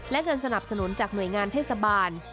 และเงินสนับสนุนจากหน่วยงานเทศบาล